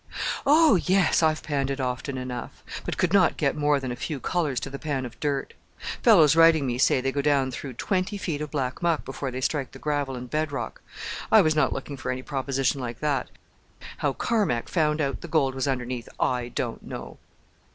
"Oh, yes, I've panned it often enough; but could not get more than a few colours to the pan of dirt. Fellows writing me say they go down through twenty feet of black muck before they strike the gravel and bed rock. I was not looking for any proposition like that. How Carmack found out the gold was underneath I don't know."